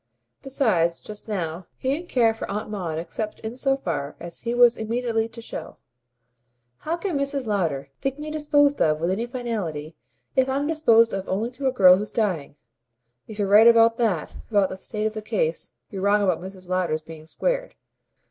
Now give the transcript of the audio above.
Besides, just now, he didn't care for Aunt Maud except in so far as he was immediately to show. "How can Mrs. Lowder think me disposed of with any finality, if I'm disposed of only to a girl who's dying? If you're right about that, about the state of the case, you're wrong about Mrs. Lowder's being squared.